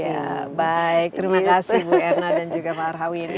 ya baik terima kasih bu erna dan juga pak arhawi